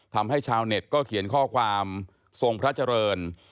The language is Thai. ทำให้ชาวเน็ตก็เขียนข้อความทรงพระเจริญ